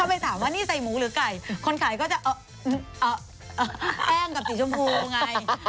ไปถามว่านี่ใส่หมูหรือไก่คนขายก็จะเอาแป้งกับสีชมพูไง